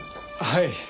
はい。